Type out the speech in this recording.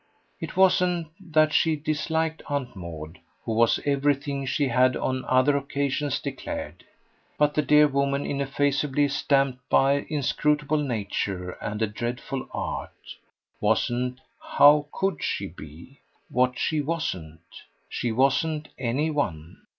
It wasn't that she disliked Aunt Maud, who was everything she had on other occasions declared; but the dear woman, ineffaceably stamped by inscrutable nature and a dreadful art, wasn't how COULD she be? what she wasn't. She wasn't any one.